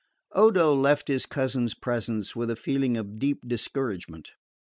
Odo left his cousin's presence with a feeling of deep discouragement.